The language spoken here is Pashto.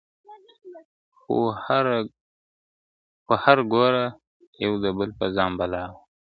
خو هر ګوره یو د بل په ځان بلا وه ..